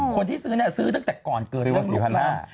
คนที่ซื้อเนี่ยซื้อตั้งแต่ก่อนเกิดเรื่องลูกราม